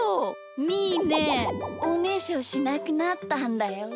みーねおねしょしなくなったんだよ！